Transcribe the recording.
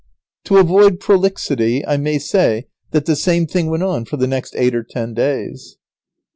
To avoid prolixity I may say that the same thing went on for the next eight or ten days.